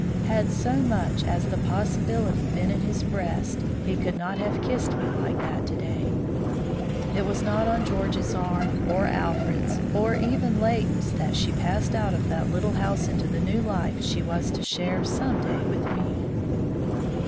Had so much as the possibility been in his breast, he could not have kissed me like that to day." It was not on George's arm, or Alfred's, or even Leighton's that she passed out of that little house into the new life she was to share some day with me.